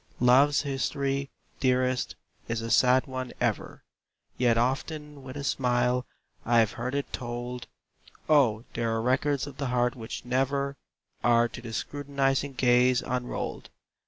Love's history, dearest, is a sad one ever, Yet often with a smile I've heard it told! Oh, there are records of the heart which never Are to the scrutinizing gaze unrolled!